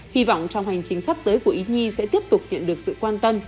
hy vọng trong hành trình sắp tới của ý nhi sẽ tiếp tục nhận được sự quan tâm